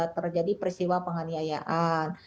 terjadi peristiwa penganiayaan